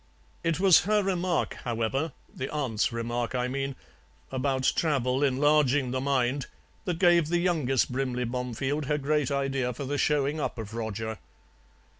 It was her remark, however the aunt's remark, I mean about travel enlarging the mind, that gave the youngest Brimley Bomefield her great idea for the showing up of Roger.